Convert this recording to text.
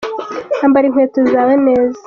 Ambara inkweto zawe neza.